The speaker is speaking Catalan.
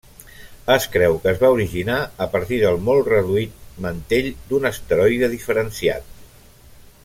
Es creu que es va originar a partir del molt reduït mantell d'un asteroide diferenciat.